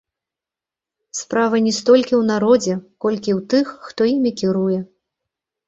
Справа не столькі ў народзе, колькі ў тых, хто імі кіруе.